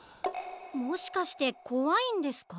もしかしてこわいんですか？